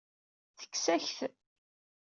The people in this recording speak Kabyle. Tekkes-ak-t.